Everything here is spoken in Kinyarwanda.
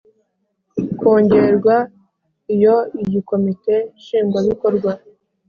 kongerwa Iyo iyi Komite Nshingwabikorwa